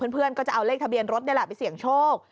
เพื่อนก็จะเอาเลขทะเบียนรถนี่แหละไปเสี่ยงโชค